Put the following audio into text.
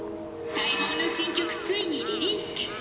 「待望の新曲ついにリリース決定」。